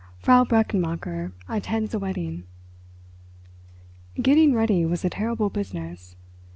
FRAU BRECHENMACHER ATTENDS A WEDDING Getting ready was a terrible business.